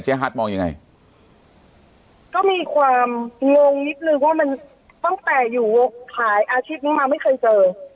ฮัทมองยังไงก็มีความงงนิดนึงว่ามันตั้งแต่อยู่ขายอาชีพนี้มาไม่เคยเจอ